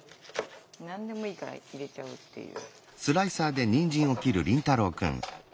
何でもいいから入れちゃうっていう。